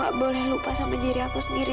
tapi aku gak boleh lupa sama diri aku sendiri